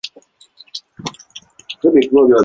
此场地禁止吸烟。